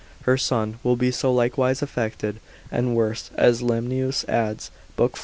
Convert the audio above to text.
1, 11) her son will be so likewise affected, and worse, as Lemnius adds, l. 4.